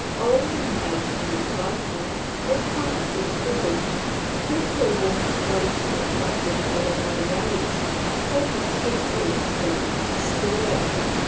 Old and base in their vices, their hearts are shrivelled, because their worn out bodies were corrupted at an early age; they have scarcely strength to stir.